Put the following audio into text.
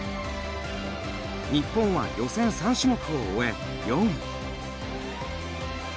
日本は予選３種目を終え、４位。